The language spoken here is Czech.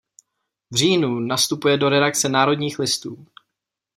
V říjnu nastupuje do redakce Národních listů.